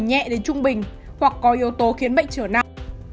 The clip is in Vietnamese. nhẹ đến trung bình hoặc có yếu tố khiến bệnh trở nặng